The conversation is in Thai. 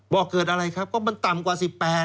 บอกเกิดอะไรครับก็มันต่ำกว่า๑๘